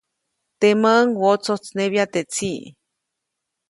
Temäʼuŋ wotsojtsnebya teʼ tsiʼ.